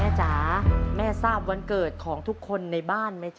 จ๋าแม่ทราบวันเกิดของทุกคนในบ้านไหมจ๊